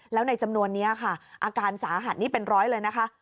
แล้วในจำนวนนี้ค่ะอาการสาหัสนี่เป็นร้อยเลยนะคะ